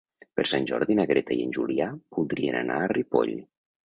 Per Sant Jordi na Greta i en Julià voldrien anar a Ripoll.